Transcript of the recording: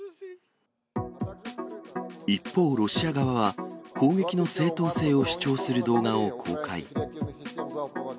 一方、ロシア側は、攻撃の正当性を主張する動画を公開。